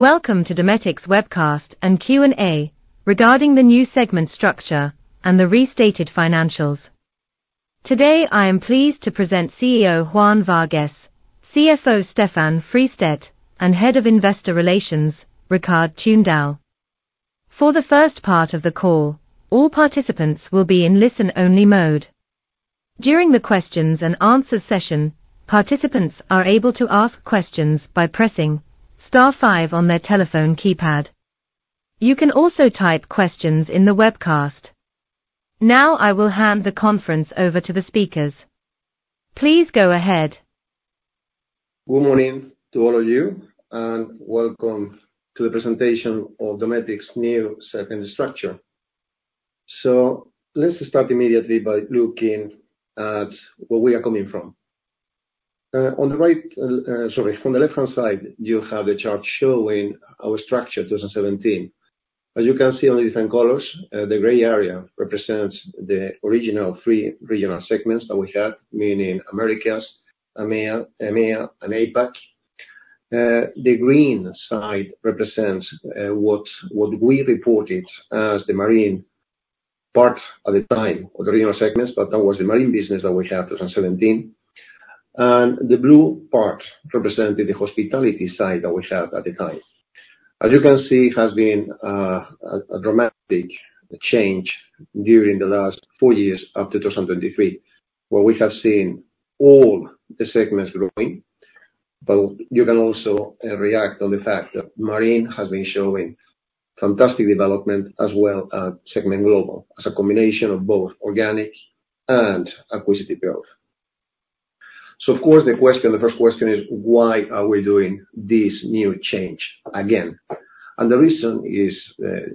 Welcome to Dometic's webcast and Q&A regarding the new segment structure and the restated financials. Today I am pleased to present CEO Juan Vargues, CFO Stefan Fristedt, and Head of Investor Relations, Rikard Tunedal. For the first part of the call, all participants will be in listen-only mode. During the questions and answers session, participants are able to ask questions by pressing *5 on their telephone keypad. You can also type questions in the webcast. Now I will hand the conference over to the speakers. Please go ahead. Good morning to all of you, and welcome to the presentation of Dometic's new segment structure. Let's start immediately by looking at where we are coming from. On the right, sorry, on the left-hand side, you have the chart showing our structure 2017. As you can see on the different colors, the gray area represents the original three regional segments that we had, meaning Americas, EMEA, and APAC. The green side represents what we reported as the Marine part at the time of the regional segments, but that was the Marine business that we had 2017. The blue part represented the hospitality side that we had at the time. As you can see, it has been a dramatic change during the last four years up to 2023, where we have seen all the segments growing. You can also react on the fact that Marine has been showing fantastic development as well as segment Global, as a combination of both organic and acquisitive growth. Of course, the question, the first question is, why are we doing this new change again? The reason is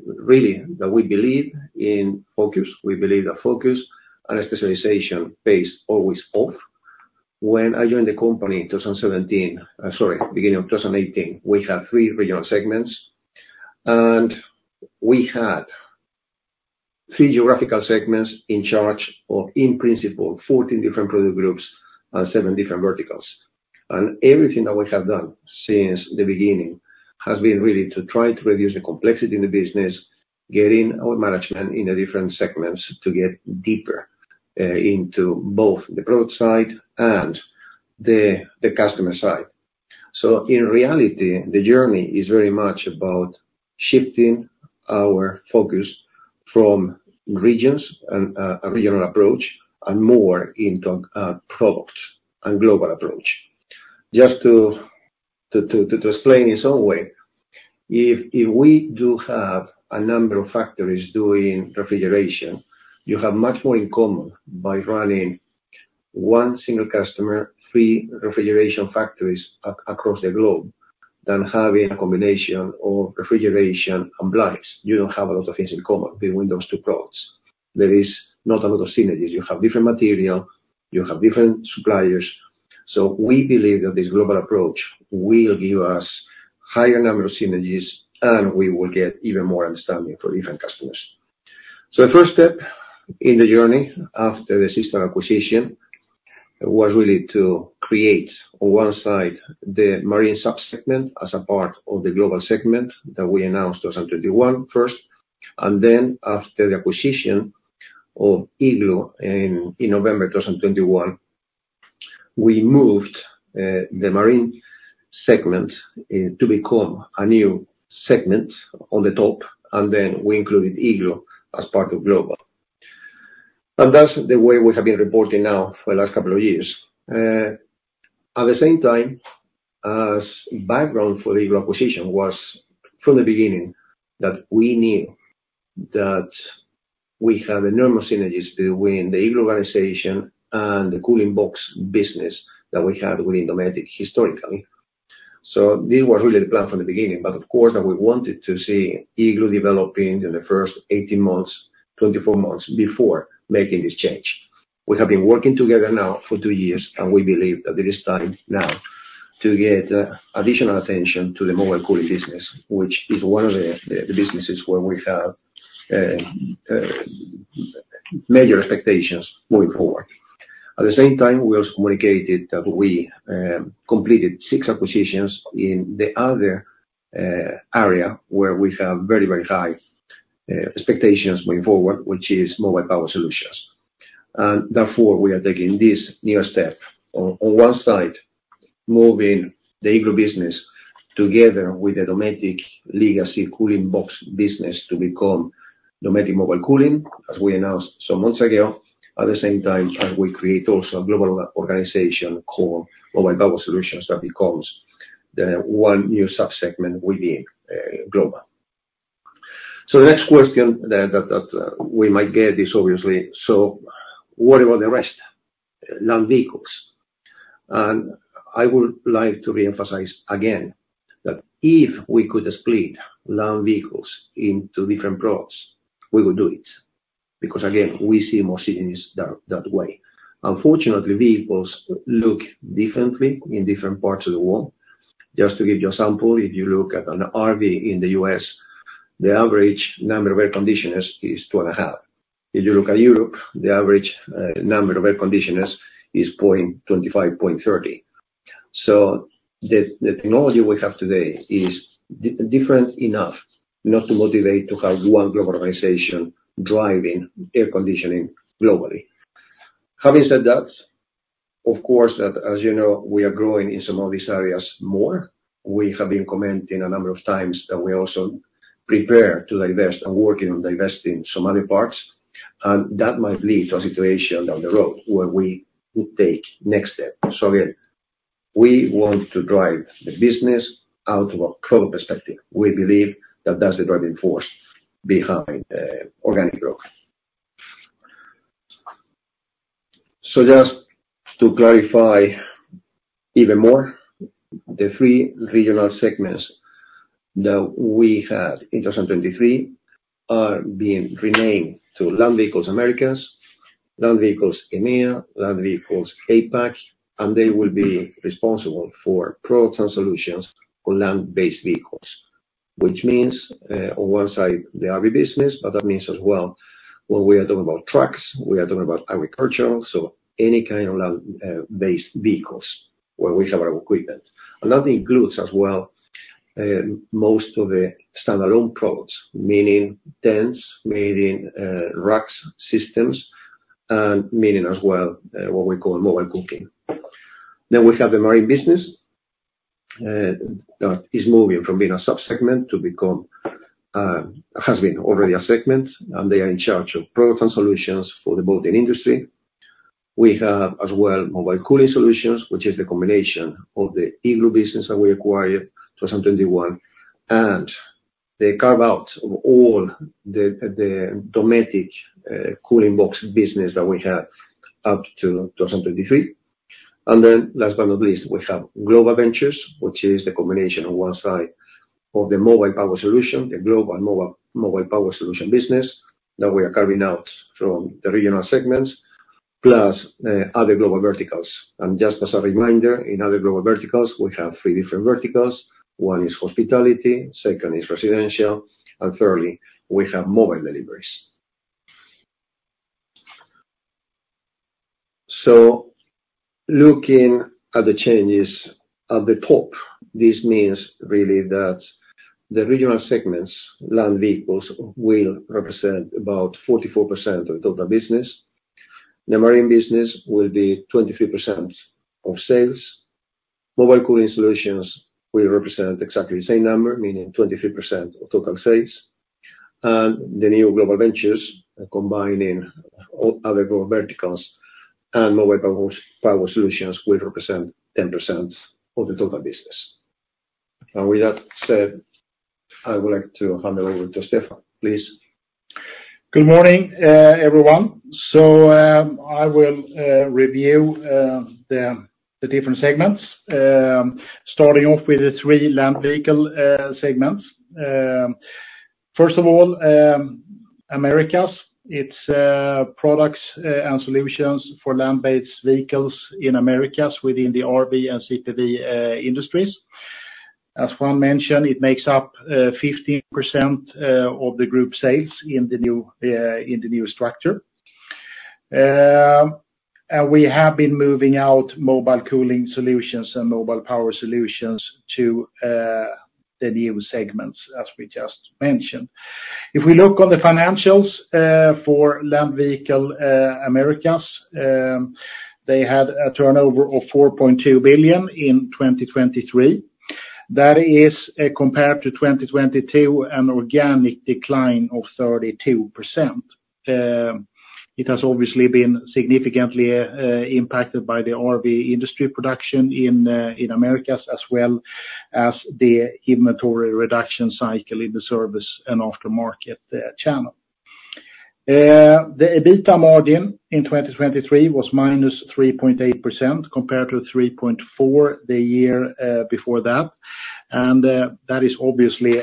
really that we believe in focus. We believe that focus and specialization always pays off. When I joined the company in 2017, sorry, beginning of 2018, we had three regional segments, and we had three geographical segments in charge of, in principle, 14 different product groups and seven different verticals. Everything that we have done since the beginning has been really to try to reduce the complexity in the business, getting our management in the different segments to get deeper into both the product side and the customer side. In reality, the journey is very much about shifting our focus from regions and a regional approach and more into products and a Global approach. Just to explain in some way, if we do have a number of factories doing refrigeration, you have much more in common by running one single customer, three refrigeration factories across the globe than having a combination of refrigeration and blinds. You do not have a lot of things in common between those two products. There is not a lot of synergies. You have different material. You have different suppliers. We believe that this Global approach will give us a higher number of synergies, and we will get even more understanding for different customers. The first step in the journey after the system acquisition was really to create, on one side, the Marine subsegment as a part of the Global segment that we announced in 2021 first. Then, after the acquisition of Igloo in November 2021, we moved the Marine segment to become a new segment on the top, and then we included Igloo as part of Global. That's the way we have been reporting now for the last couple of years. At the same time, as background for the Igloo acquisition was from the beginning that we knew that we had enormous synergies between the Igloo organization and the cooling box business that we had within Dometic historically. This was really the plan from the beginning, but of course, we wanted to see Igloo developing in the first 18-24 months before making this change. We have been working together now for two years, and we believe that it is time now to get additional attention to the Mobile Cooling Business, which is one of the businesses where we have major expectations moving forward. At the same time, we also communicated that we completed six acquisitions in the other area where we have very, very high expectations moving forward, which is Mobile Power Solutions. Therefore, we are taking this new step on one side, moving the Igloo business together with the Dometic legacy cooling box business to become Dometic mobile cooling, as we announced some months ago, at the same time as we create also a Global organization called Mobile Power Solutions that becomes one new subsegment within Global. The next question that we might get is obviously, so what about the rest? Land Vehicles. I would like to reemphasize again that if we could split Land Vehicles into different products, we would do it. Because again, we see more synergies that way. Unfortunately, vehicles look differently in different parts of the world. Just to give you a sample, if you look at an RV in the U.S., the average number of air conditioners is two and a half. If you look at Europe, the average number of air conditioners is 0.25-0.30. The technology we have today is different enough not to motivate to have one Global organization driving air conditioning Globally. Having said that, of course, as you know, we are growing in some of these areas more. We have been commenting a number of times that we also prepare to divest and working on divesting some other parts. That might lead to a situation down the road where we take next step. Again, we want to drive the business out of a product perspective. We believe that that's the driving force behind organic growth. Just to clarify even more, the three regional segments that we had in 2023 are being renamed to Land Vehicles Americas, Land Vehicles EMEA, Land Vehicles APAC, and they will be responsible for products and solutions for land-based vehicles, which means on one side the RV business, but that means as well when we are talking about trucks, we are talking about agricultural, so any kind of land-based vehicles where we have our equipment. That includes as well most of the standalone products, meaning tents, meaning racks, systems, and meaning as well what we call mobile cooking. We have the Marine business that is moving from being a subsegment to become, has been already, a segment, and they are in charge of products and solutions for the boating industry. We have as well Mobile Cooling Solutions, which is the combination of the Igloo business that we acquired in 2021 and the carve-out of all the Dometic cooling box business that we have up to 2023. Last but not least, we have Global Ventures, which is the combination on one side of the Mobile Power Solution, the Global Mobile Power Solution business that we are carving out from the regional segments, plus other Global verticals. Just as a reminder, in other Global verticals, we have three different verticals. One is hospitality, second is residential, and thirdly, we have mobile deliveries. Looking at the changes at the top, this means really that the regional segments, Land Vehicles, will represent about 44% of the total business. The Marine business will be 23% of sales. Mobile Cooling Solutions will represent exactly the same number, meaning 23% of total sales. The new Global Ventures, combining other Global verticals and Mobile Power Solutions, will represent 10% of the total business. With that said, I would like to hand it over to Stefan, please. Good morning, everyone. I will review the different segments, starting off with the three land vehicle segments. First of all, Americas, it's products and solutions for land-based vehicles in Americas within the RV and CPV industries. As Juan mentioned, it makes up 15% of the group sales in the new structure. We have been moving out Mobile Cooling Solutions and Mobile Power Solutions to the new segments, as we just mentioned. If we look on the financials for land vehicle Americas, they had a turnover of $4.2 billion in 2023. That is, compared to 2022, an organic decline of 32%. It has obviously been significantly impacted by the RV industry production in Americas, as well as the inventory reduction cycle in the service and aftermarket channel. The EBITDA margin in 2023 was -3.8% compared to 3.4% the year before that. That is obviously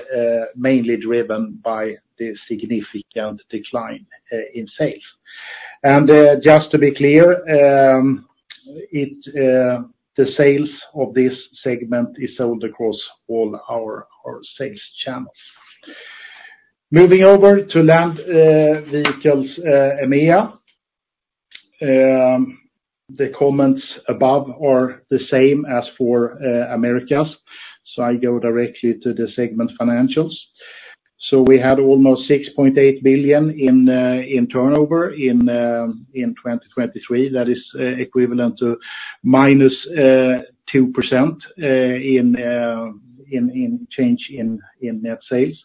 mainly driven by the significant decline in sales. Just to be clear, the sales of this segment is sold across all our sales channels. Moving over to Land Vehicles EMEA, the comments above are the same as for Americas. I go directly to the segment financials. We had almost $6.8 billion in turnover in 2023. That is equivalent to -2% in change in net sales.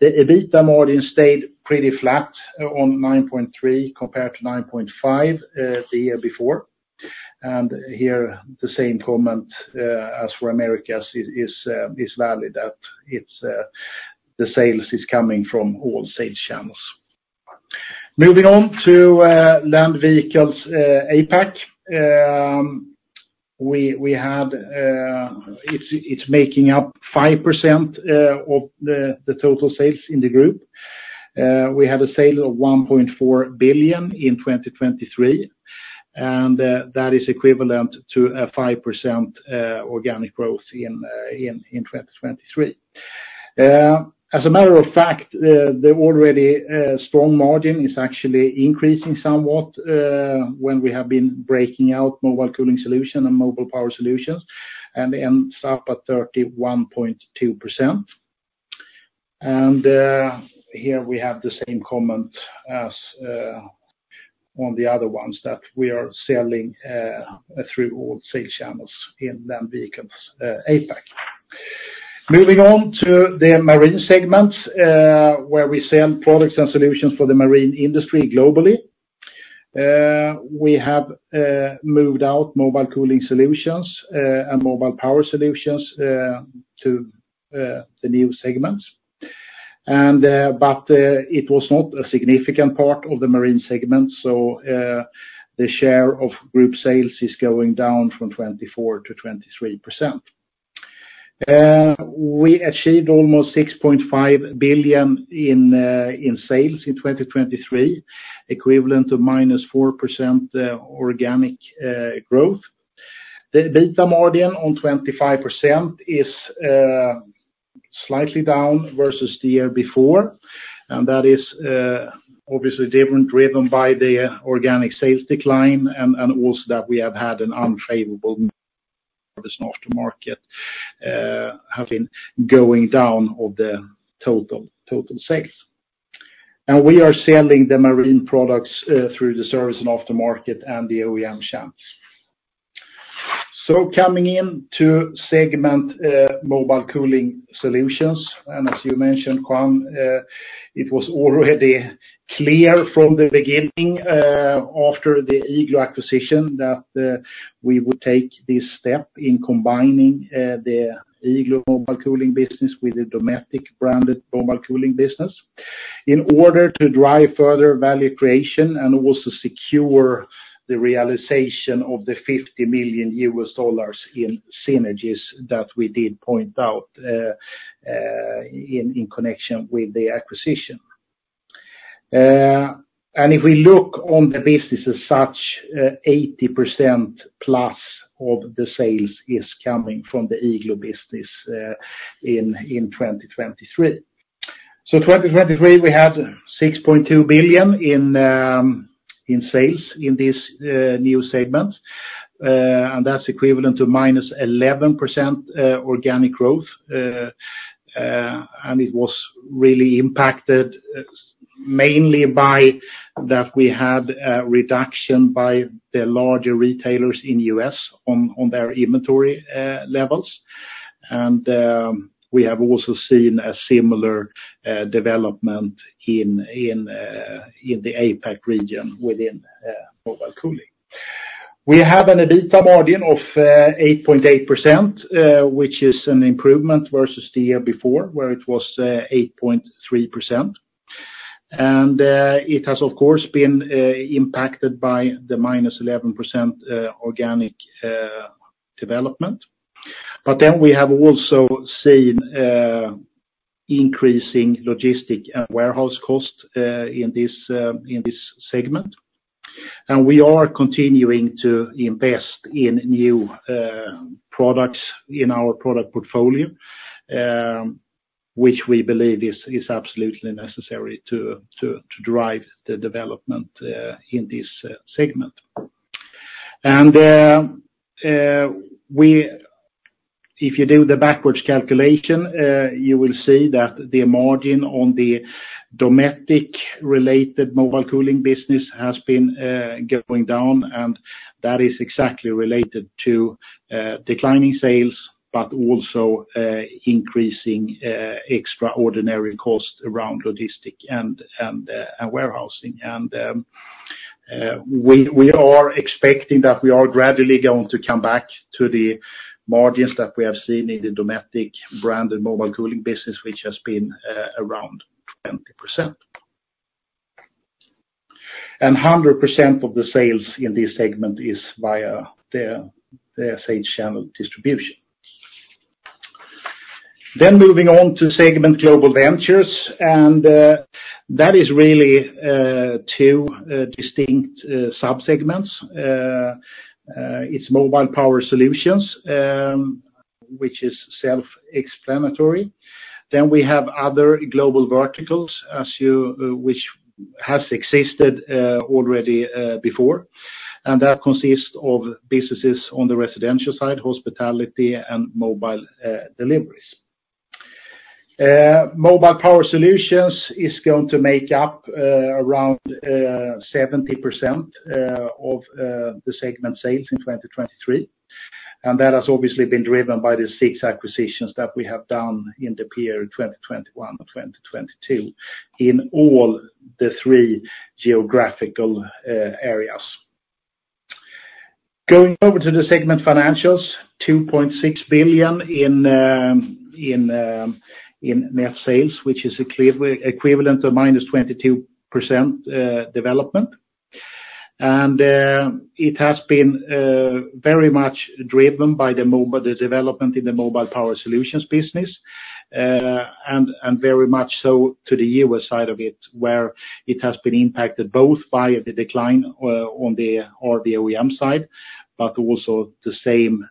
The EBITDA margin stayed pretty flat at 9.3% compared to 9.5% the year before. Here, the same comment as for Americas is valid that the sales is coming from all sales channels. Moving on to Land Vehicles APAC, it is making up 5% of the total sales in the group. We had a sale of $1.4 billion in 2023, and that is equivalent to a 5% organic growth in 2023. As a matter of fact, the already strong margin is actually increasing somewhat when we have been breaking out Mobile Cooling Solutions and Mobile Power Solutions, and ends up at 31.2%. Here we have the same comment as on the other ones that we are selling through all sales channels in Land Vehicles APAC. Moving on to the Marine segments, where we sell products and solutions for the Marine industry Globally. We have moved out Mobile Cooling Solutions and Mobile Power Solutions to the new segments. It was not a significant part of the Marine segment, so the share of group sales is going down from 24% to 23%. We achieved almost $6.5 billion in sales in 2023, equivalent to -4% organic growth. The EBITDA margin on 25% is slightly down versus the year before. That is obviously driven by the organic sales decline and also that we have had an unfavorable service and aftermarket have been going down of the total sales. We are selling the Marine products through the service and aftermarket and the OEM channels. Coming in to segment Mobile Cooling Solutions, and as you mentioned, Juan, it was already clear from the beginning after the Igloo acquisition that we would take this step in combining the Igloo Mobile Cooling Business with the Dometic branded Mobile Cooling Business in order to drive further value creation and also secure the realization of the $50 million in synergies that we did point out in connection with the acquisition. If we look on the business as such, 80% plus of the sales is coming from the Igloo business in 2023. In 2023, we had $6.2 billion in sales in this new segment, and that's equivalent to -11% organic growth. It was really impacted mainly by that we had a reduction by the larger retailers in the U.S. on their inventory levels. We have also seen a similar development in the APAC region within mobile cooling. We have an EBITDA margin of 8.8%, which is an improvement versus the year before where it was 8.3%. It has, of course, been impacted by the -11% organic development. We have also seen increasing logistic and warehouse costs in this segment. We are continuing to invest in new products in our product portfolio, which we believe is absolutely necessary to drive the development in this segment. If you do the backwards calculation, you will see that the margin on the Dometic-related Mobile Cooling Business has been going down, and that is exactly related to declining sales, but also increasing extraordinary costs around logistic and warehousing. We are expecting that we are gradually going to come back to the margins that we have seen in the Dometic-branded Mobile Cooling Business, which has been around 20%. One hundred percent of the sales in this segment is via the sales channel distribution. Moving on to segment Global Ventures, that is really two distinct subsegments. It is Mobile Power Solutions, which is self-explanatory. We have other Global verticals, which have existed already before. That consists of businesses on the residential side, hospitality, and mobile deliveries. Mobile Power Solutions is going to make up around 70% of the segment sales in 2023. That has obviously been driven by the six acquisitions that we have done in the period 2021 to 2022 in all the three geographical areas. Going over to the segment financials, $2.6 billion in net sales, which is equivalent to -22% development. It has been very much driven by the development in the Mobile Power Solutions business and very much so to the US side of it, where it has been impacted both by the decline on the RV OEM side, but also the same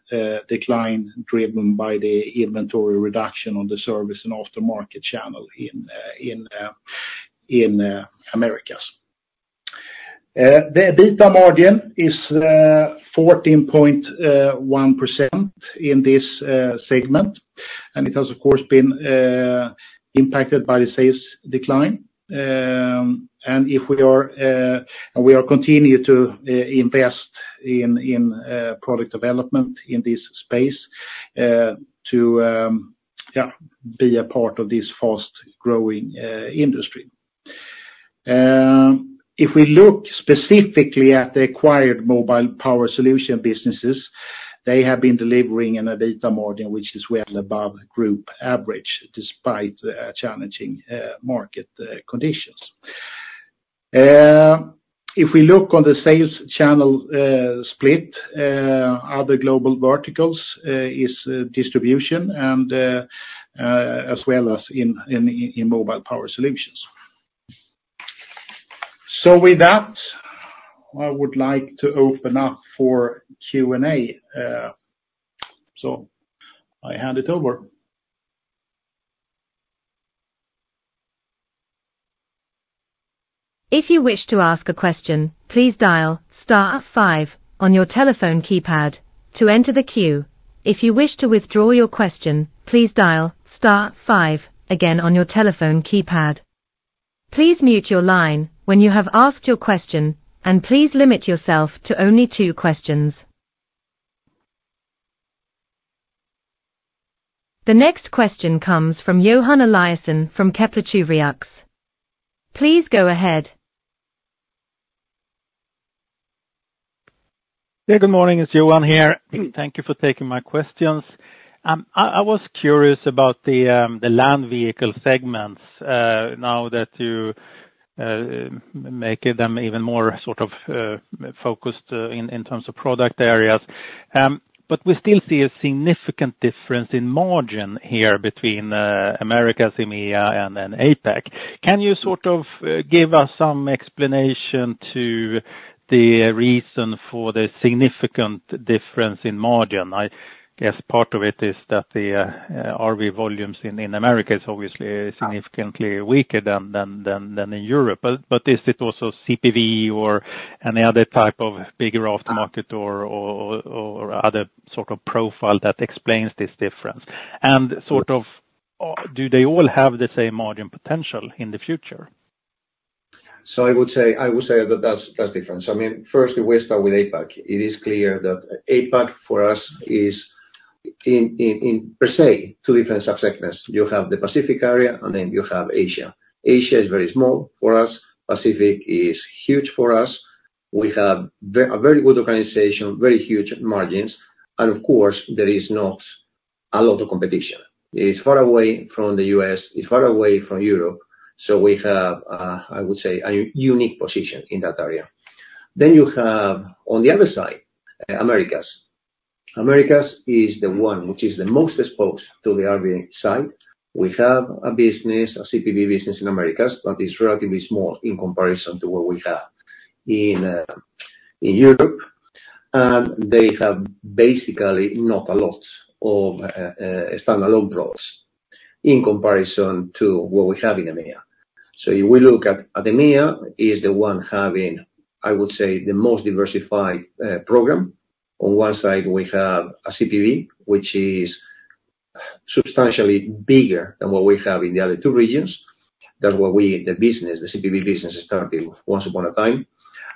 decline driven by the inventory reduction on the service and aftermarket channel in Americas. The EBITDA margin is 14.1% in this segment. It has, of course, been impacted by the sales decline. We are continuing to invest in product development in this space to be a part of this fast-growing industry. If we look specifically at the acquired Mobile Power Solution businesses, they have been delivering an EBITDA margin, which is well above group average despite challenging market conditions. If we look on the sales channel split, other Global verticals is distribution as well as in Mobile Power Solutions. With that, I would like to open up for Q&A. I hand it over. If you wish to ask a question, please dial star five on your telephone keypad to enter the queue. If you wish to withdraw your question, please dial star five again on your telephone keypad. Please mute your line when you have asked your question, and please limit yourself to only two questions. The next question comes from Johan Eliason from Kepler Cheuvreux. Please go ahead. Yeah, good morning. It's Johan here. Thank you for taking my questions. I was curious about the land vehicle segments now that you make them even more sort of focused in terms of product areas. We still see a significant difference in margin here between Americas, EMEA, and APAC. Can you sort of give us some explanation to the reason for the significant difference in margin? I guess part of it is that the RV volumes in Americas is obviously significantly weaker than in Europe. Is it also CPV or any other type of bigger aftermarket or other sort of profile that explains this difference? Do they all have the same margin potential in the future? I would say that there's difference. I mean, first, we start with APAC. It is clear that APAC for us is, per se, two different subsegments. You have the Pacific area, and then you have Asia. Asia is very small for us. Pacific is huge for us. We have a very good organization, very huge margins. Of course, there is not a lot of competition. It is far away from the U.S. It's far away from Europe. We have, I would say, a unique position in that area. You have, on the other side, Americas. Americas is the one which is the most exposed to the RV side. We have a business, a CPV business in Americas, but it's relatively small in comparison to what we have in Europe. They have basically not a lot of standalone products in comparison to what we have in EMEA. If we look at EMEA, it is the one having, I would say, the most diversified program. On one side, we have a CPV, which is substantially bigger than what we have in the other two regions. That is what the business, the CPV business, started once upon a time.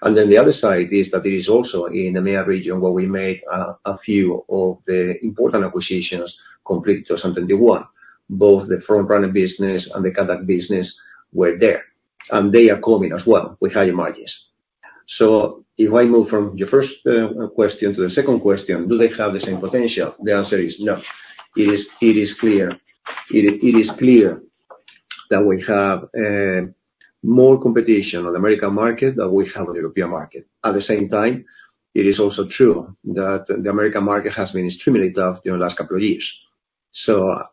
The other side is that it is also in the EMEA region where we made a few of the important acquisitions complete in 2021. Both the Front Runner business and the CADAC business were there. They are coming as well with high margins. If I move from your first question to the second question, do they have the same potential? The answer is no. It is clear. It is clear that we have more competition on the American market than we have on the European market. At the same time, it is also true that the American market has been extremely tough during the last couple of years.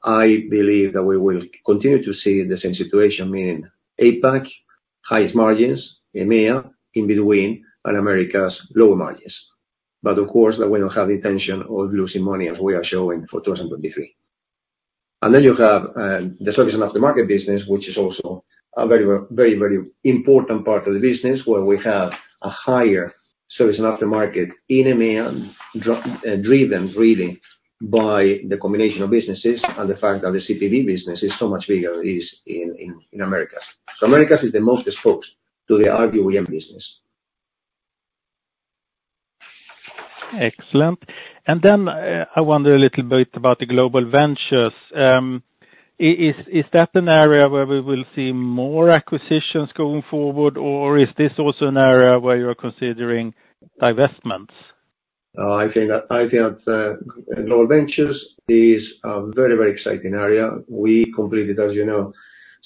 I believe that we will continue to see the same situation, meaning APAC, highest margins, EMEA in between, and Americas lower margins. Of course, we do not have the intention of losing money as we are showing for 2023. You have the service and aftermarket business, which is also a very, very important part of the business where we have a higher service and aftermarket in EMEA driven really by the combination of businesses and the fact that the CPV business is so much bigger in Americas. Americas is the most exposed to the RV OEM business. Excellent. I wonder a little bit about the Global Ventures. Is that an area where we will see more acquisitions going forward, or is this also an area where you're considering divestments? I think that Global Ventures is a very, very exciting area. We completed, as you know,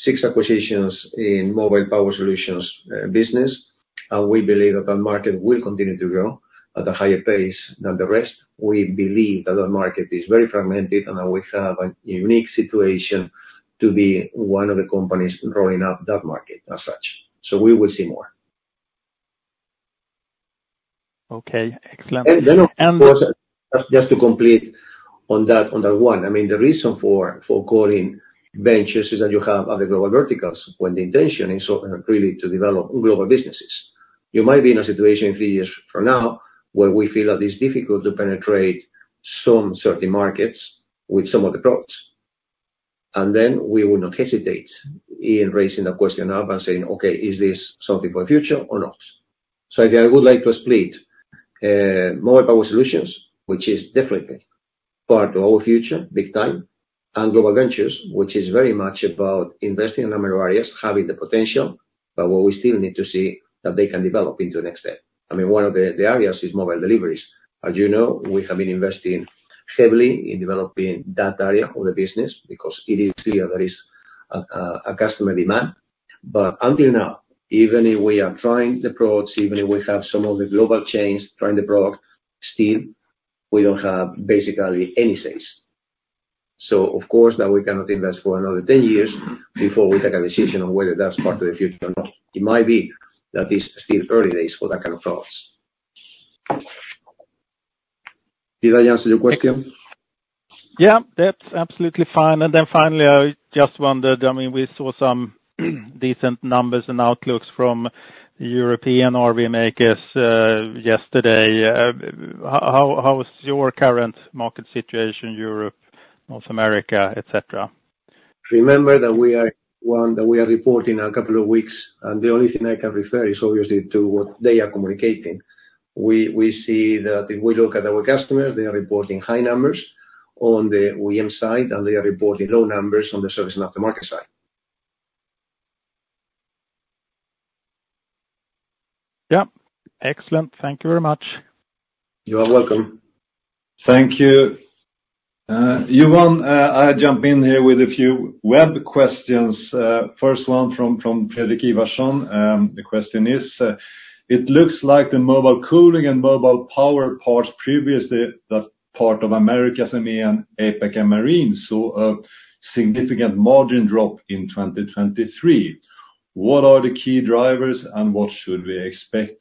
six acquisitions in Mobile Power Solutions business. We believe that that market will continue to grow at a higher pace than the rest. We believe that that market is very fragmented, and we have a unique situation to be one of the companies rolling up that market as such. We will see more. Okay. Excellent. Just to complete on that one, I mean, the reason for calling ventures is that you have other Global verticals when the intention is really to develop Global businesses. You might be in a situation in three years from now where we feel that it's difficult to penetrate some certain markets with some of the products. We will not hesitate in raising the question up and saying, "Okay, is this something for the future or not?" I think I would like to split Mobile Power Solutions, which is definitely part of our future big time, and Global Ventures, which is very much about investing in a number of areas, having the potential, but where we still need to see that they can develop into the next step. I mean, one of the areas is mobile deliveries. As you know, we have been investing heavily in developing that area of the business because it is clear there is a customer demand. Until now, even if we are trying the products, even if we have some of the Global chains trying the product, still we do not have basically any sales. Of course, we cannot invest for another 10 years before we take a decision on whether that is part of the future or not. It might be that it is still early days for that kind of products. Did I answer your question? Yeah, that's absolutely fine. And then finally, I just wondered, I mean, we saw some decent numbers and outlooks from European RV makers yesterday. How is your current market situation, Europe, North America, etc.? Remember that we are one that we are reporting a couple of weeks. The only thing I can refer is obviously to what they are communicating. We see that if we look at our customers, they are reporting high numbers on the OEM side, and they are reporting low numbers on the service and aftermarket side. Yeah. Excellent. Thank you very much. You're welcome. Thank you. Juan, I jump in here with a few web questions. First one from Per-Arne Blomqvist. The question is, it looks like the mobile cooling and mobile power parts previously that part of Americas, EMEA, APAC, and Marine, saw a significant margin drop in 2023. What are the key drivers, and what should we expect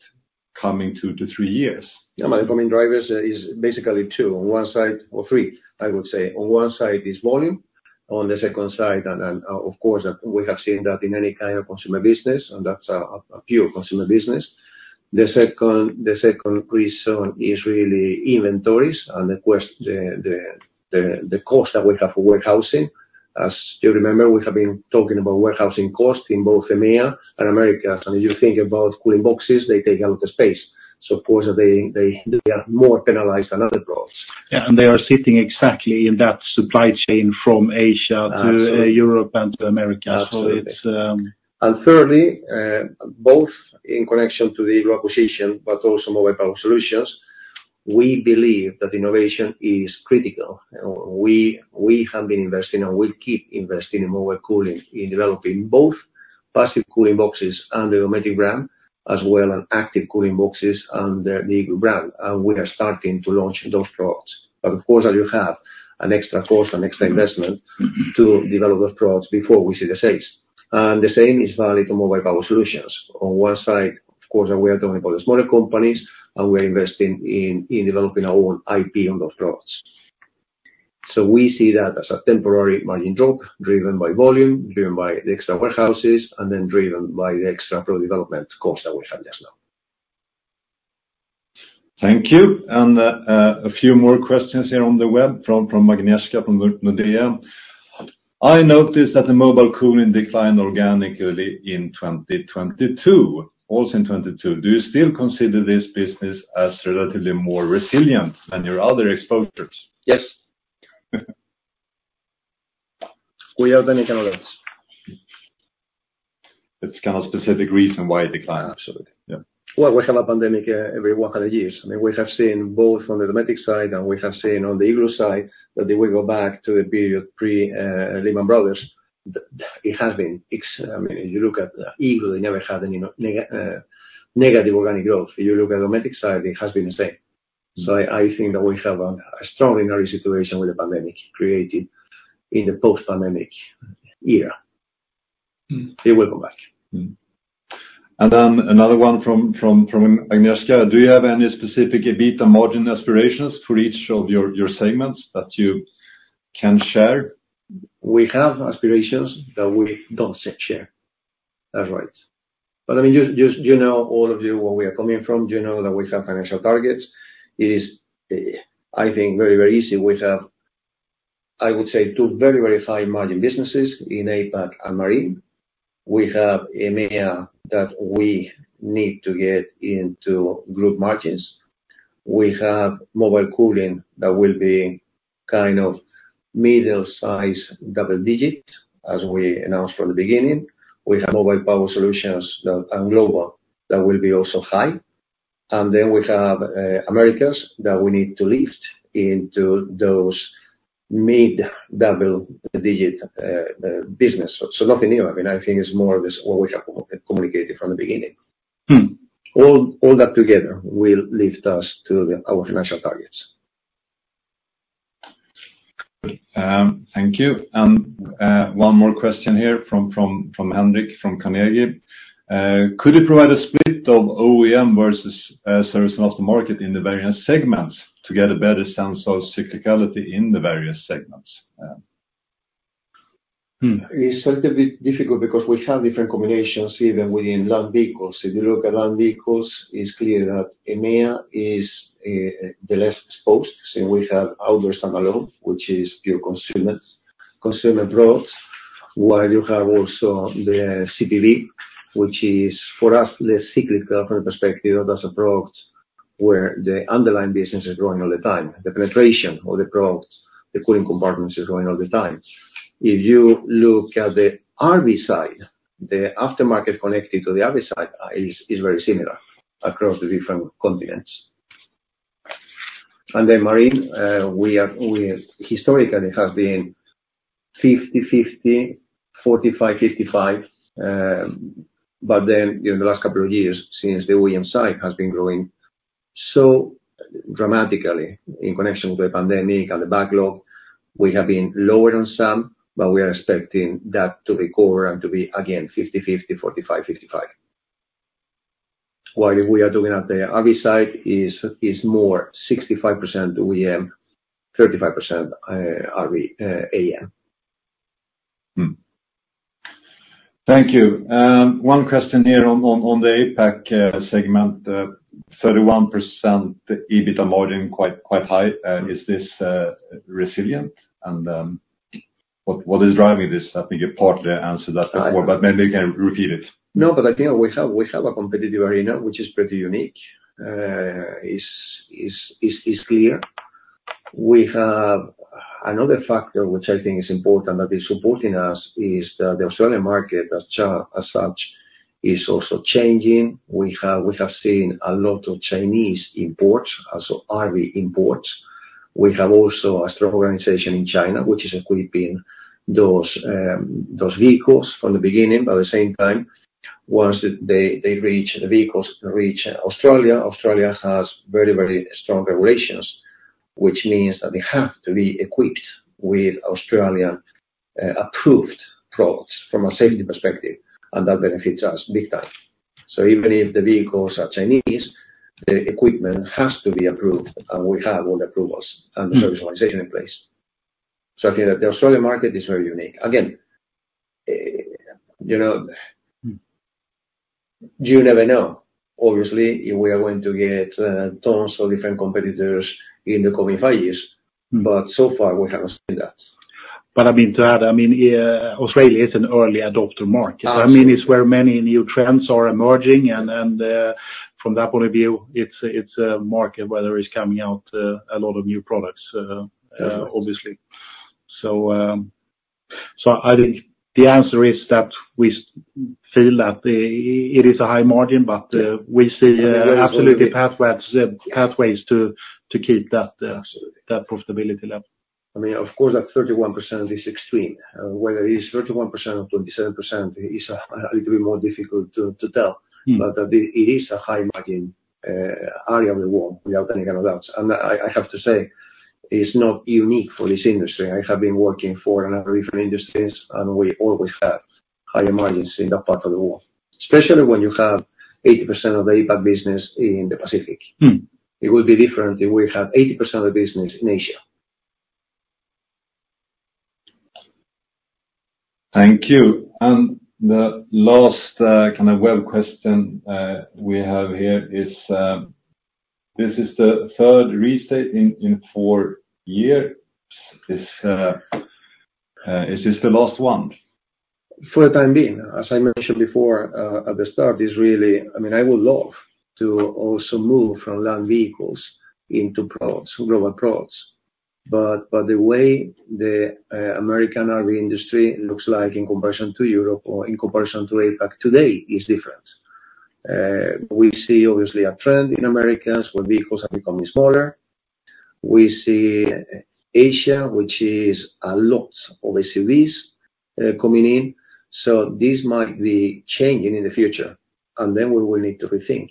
coming two to three years? Yeah, my main drivers is basically two. On one side or three, I would say. On one side is volume. On the second side, and of course, we have seen that in any kind of consumer business, and that's a pure consumer business. The second reason is really inventories and the cost that we have for warehousing. As you remember, we have been talking about warehousing cost in both EMEA and Americas. If you think about cooling boxes, they take a lot of space. They are more penalized than other products. Yeah. They are sitting exactly in that supply chain from Asia to Europe and to America. It is. Absolutely. Thirdly, both in connection to the acquisition, but also Mobile Power Solutions, we believe that innovation is critical. We have been investing and will keep investing in mobile cooling, in developing both Passive Cooling Boxes and the Dometic brand, as well as active cooling boxes and the Igloo brand. We are starting to launch those products. Of course, you have an extra cost, an extra investment to develop those products before we see the sales. The same is valid to Mobile Power Solutions. On one side, of course, we are talking about the smaller companies, and we are investing in developing our own IP on those products. We see that as a temporary margin drop driven by volume, driven by the extra warehouses, and then driven by the extra product development cost that we have just now. Thank you. A few more questions here on the web from Magdalena from Nordea. I noticed that the mobile cooling declined organically in 2022, also in 2022. Do you still consider this business as relatively more resilient than your other exposures? Yes. We have many kind of events. It's kind of a specific reason why it declined, actually. Yeah. We have a pandemic every 100 years. I mean, we have seen both on the Dometic side, and we have seen on the Igloo side that if we go back to the period pre-Lehman Brothers, it has been, I mean, if you look at Igloo, they never had any negative organic growth. If you look at the Dometic side, it has been the same. I think that we have a strongly nervous situation with the pandemic created in the post-pandemic era. It will come back. Another one from Magdalena. Do you have any specific EBITDA margin aspirations for each of your segments that you can share? We have aspirations that we do not share. That's right. But I mean, you know, all of you, where we are coming from, you know that we have financial targets. It is, I think, very, very easy. We have, I would say, two very, very high margin businesses in APAC and Marine. We have EMEA that we need to get into group margins. We have mobile cooling that will be kind of middle-sized double-digit, as we announced from the beginning. We have Mobile Power Solutions that are Global that will be also high. And then we have Americas that we need to lift into those mid-double-digit business. So nothing new. I mean, I think it is more or less what we have communicated from the beginning. All that together will lift us to our financial targets. Thank you. One more question here from Henrik from Carnegie. Could you provide a split of OEM versus service and aftermarket in the various segments to get a better sense of cyclicality in the various segments? It's a little bit difficult because we have different combinations even within Land Vehicles. If you look at Land Vehicles, it's clear that EMEA is the less exposed. We have outdoor standalone, which is pure consumer products, while you have also the CPV, which is for us the cyclical from the perspective of that's a product where the underlying business is growing all the time. The penetration of the product, the cooling compartments, is growing all the time. If you look at the RV side, the aftermarket connected to the RV side is very similar across the different continents. Marine, we historically have been 50-50, 45-55. During the last couple of years, since the OEM side has been growing so dramatically in connection with the pandemic and the backlog, we have been lower on some, but we are expecting that to recover and to be again 50-50, 45-55. While if we are looking at the RV side, it's more 65% OEM, 35% AAM. Thank you. One question here on the APAC segment. 31% EBITDA margin, quite high. Is this resilient? What is driving this? I think you partly answered that before, but maybe you can repeat it. No, but I think we have a competitive arena, which is pretty unique. It's clear. We have another factor, which I think is important that is supporting us, is that the Australian market as such is also changing. We have seen a lot of Chinese imports, also RV imports. We have also a strong organization in China, which is equipping those vehicles from the beginning. At the same time, once the vehicles reach Australia, Australia has very, very strong regulations, which means that they have to be equipped with Australian-approved products from a safety perspective. That benefits us big time. Even if the vehicles are Chinese, the equipment has to be approved, and we have all the approvals and the service organization in place. I think that the Australian market is very unique. Again, you never know. Obviously, we are going to get tons of different competitors in the coming five years, but so far, we haven't seen that. I mean, to add, I mean, Australia is an early adopter market. I mean, it's where many new trends are emerging. From that point of view, it's a market where there is coming out a lot of new products, obviously. I think the answer is that we feel that it is a high margin, but we see absolutely pathways to keep that profitability level. I mean, of course, that 31% is extreme. Whether it is 31% or 27% is a little bit more difficult to tell. It is a high-margin area of the world without any kind of doubts. I have to say, it's not unique for this industry. I have been working for a number of different industries, and we always have higher margins in that part of the world, especially when you have 80% of the APAC business in the Pacific. It would be different if we had 80% of the business in Asia. Thank you. The last kind of web question we have here is, this is the third reset in four years. Is this the last one? For the time being, as I mentioned before at the start, it's really, I mean, I would love to also move from Land Vehicles into Global products. The way the American RV industry looks like in comparison to Europe or in comparison to APAC today is different. We see obviously a trend in Americas where vehicles are becoming smaller. We see Asia, which is a lot of SUVs coming in. This might be changing in the future, and then we will need to rethink.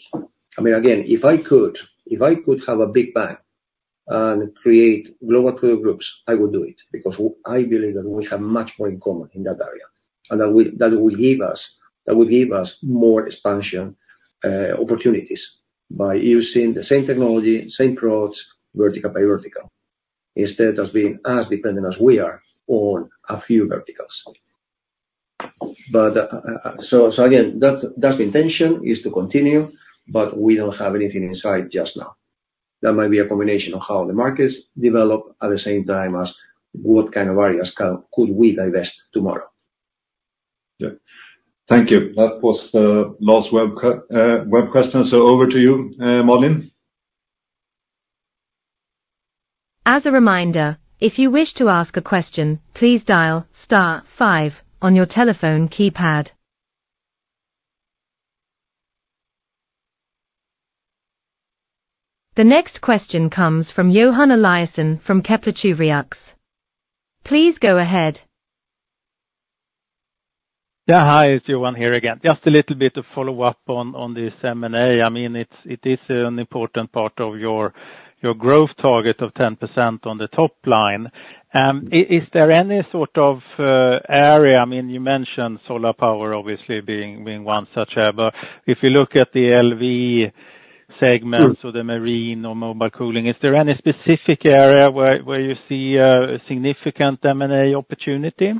I mean, again, if I could have a big bang and create Global cooler groups, I would do it because I believe that we have much more in common in that area and that will give us more expansion opportunities by using the same technology, same products, vertical by vertical, instead of being as dependent as we are on a few verticals. Again, that's the intention, is to continue, but we don't have anything in sight just now. That might be a combination of how the markets develop at the same time as what kind of areas could we divest tomorrow. Yeah. Thank you. That was the last web question. Over to you, Marlin. As a reminder, if you wish to ask a question, please dial star five on your telephone keypad. The next question comes from Johan Eliason from Kepler Cheuvreux. Please go ahead. Yeah. Hi, it's Johan here again. Just a little bit of follow-up on the segment. I mean, it is an important part of your growth target of 10% on the top line. Is there any sort of area? I mean, you mentioned solar power, obviously, being one such area. If you look at the LV segment, so the Marine or mobile cooling, is there any specific area where you see a significant M&A opportunity?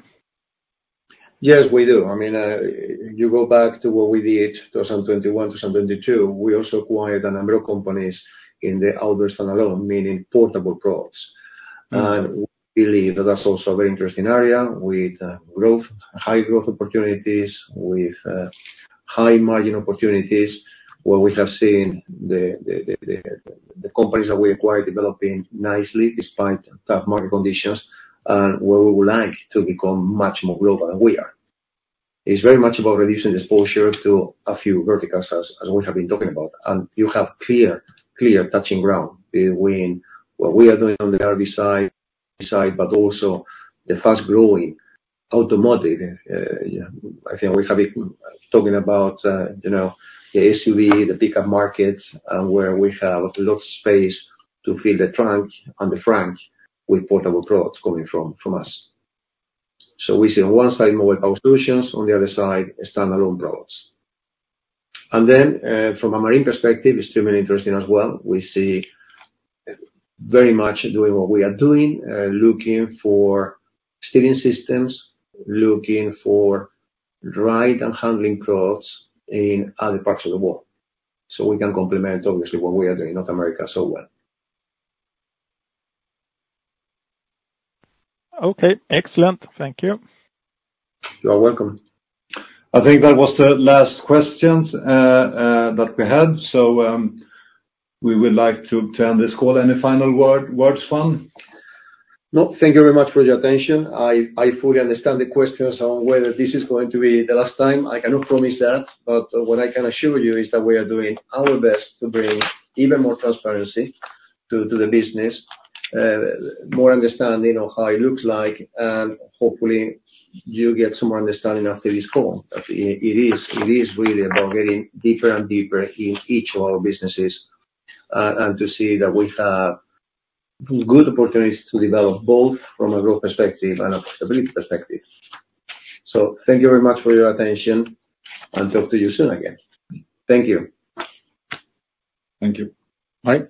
Yes, we do. I mean, you go back to what we did 2021, 2022, we also acquired a number of companies in the outdoor standalone, meaning portable products. And we believe that that's also a very interesting area with high growth opportunities, with high margin opportunities, where we have seen the companies that we acquired developing nicely despite tough market conditions and where we would like to become much more Global than we are. It's very much about reducing the exposure to a few verticals, as we have been talking about. You have clear touching ground between what we are doing on the RV side, but also the fast-growing automotive. I think we have been talking about the SUV, the pickup market, and where we have a lot of space to fill the trunk and the frunk with portable products coming from us. We see on one side Mobile Power Solutions, on the other side, standalone products. Then from a Marine perspective, it is really interesting as well. We see very much doing what we are doing, looking for Steering Systems, looking for Ride & Handling Products in other parts of the world. We can complement, obviously, what we are doing in North America so well. Okay. Excellent. Thank you. You're welcome. I think that was the last question that we had. So we would like to turn this call. Any final words on? No. Thank you very much for your attention. I fully understand the questions on whether this is going to be the last time. I cannot promise that. What I can assure you is that we are doing our best to bring even more transparency to the business, more understanding of how it looks like. Hopefully, you get some more understanding after this call. It is really about getting deeper and deeper in each of our businesses and to see that we have good opportunities to develop both from a growth perspective and a profitability perspective. Thank you very much for your attention, and talk to you soon again. Thank you. Thank you. Bye.